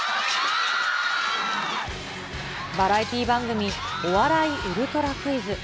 バラエティー番組、お笑いウルトラクイズ。